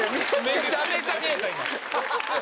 めちゃめちゃ見えた今。